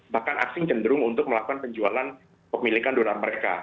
bahkan asing cenderung untuk melakukan penjualan pemilikan dolar mereka